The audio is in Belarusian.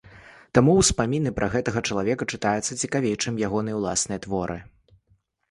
Таму ўспаміны пра гэтага чалавека чытаюцца цікавей, чым ягоныя ўласныя творы.